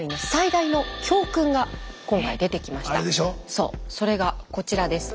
そうそれがこちらです。